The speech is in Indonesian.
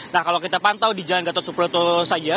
nah kalau kita pantau di jalan gatot suproto saja